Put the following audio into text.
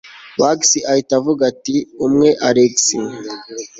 max ahita avuga ati umwe alex